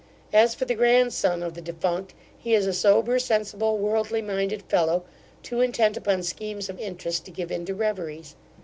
As for the grandson of the defunct, he is a sober, sensible, worldly minded fellow, too intent upon schemes of interest to give in to reveries.